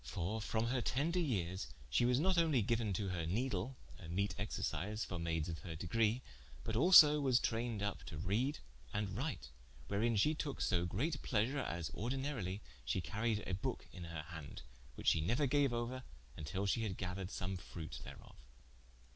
For from her tender yeares, she was not onely giuen to her nedle (a meete exercise for mayds of her degre,) but also was trayned vp to write and reade, wherein she toke so greate pleasure, as ordinarilie shee caried a booke in her hande, which she neuer gaue ouer, till she had gathered som fruit thereof.